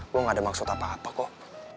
gue gak ada maksud apa apa kok